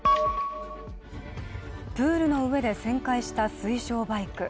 プールの上で旋回した水上バイク。